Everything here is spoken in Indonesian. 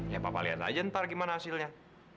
ya papa lihat aja ntar gimana hasilnya